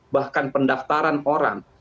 bahkan pendaftaran orang